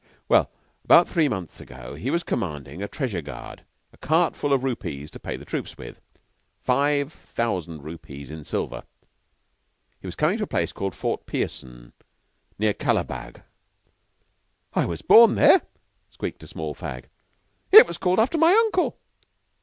"Well, about three months ago he was commanding a treasure guard a cart full of rupees to pay troops with five thousand rupees in silver. He was comin' to a place called Fort Pearson, near Kalabagh." "I was born there," squeaked a small fag. "It was called after my uncle."